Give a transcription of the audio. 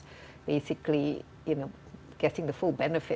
tidak berpikir untuk dirimu sendiri